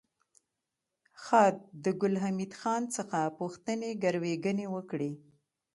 خاد د ګل حمید خان څخه پوښتنې ګروېږنې وکړې